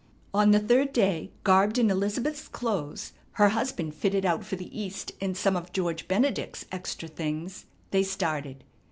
On the third day, garbed in Elizabeth's clothes, her husband fitted out for the east in some of George Benedict's extra things, they started.